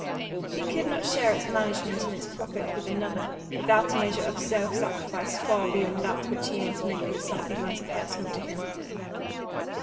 He could not share its management and its profit with another without a measure of self sacrifice far beyond that which he must make with something less personal to him.